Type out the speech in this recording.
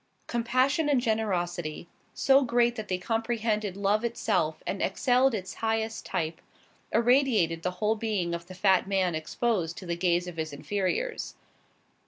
Compassion and generosity, so great that they comprehended love itself and excelled its highest type, irradiated the whole being of the fat man exposed to the gaze of his inferiors.